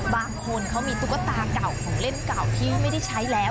บางคนเขามีตุ๊กตาเก่าของเล่นเก่าที่ว่าไม่ได้ใช้แล้ว